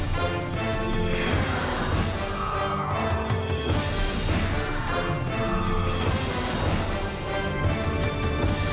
โปรดติดตามตอนต่อไป